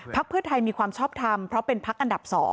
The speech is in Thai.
เพื่อไทยมีความชอบทำเพราะเป็นพักอันดับ๒